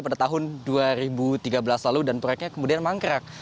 pada tahun dua ribu tiga belas lalu dan proyeknya kemudian mangkrak